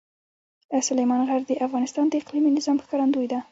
سلیمان غر د افغانستان د اقلیمي نظام ښکارندوی ده.